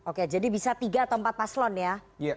oke jadi bisa tiga atau empat paslon ya